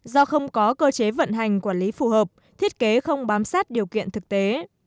do không có cơ chế vận hành quản lý phù hợp thiết kế không bám sát điều kiện thực tế